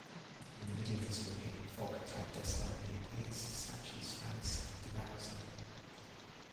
In the middle of this whipping, Thog clandestinely appears, snatches Thalis, and devours her.